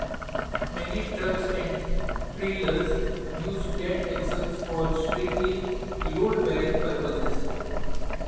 Many trucks and trailers use dead axles for strictly load-bearing purposes.